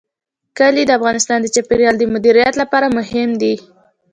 کلي د افغانستان د چاپیریال د مدیریت لپاره مهم دي.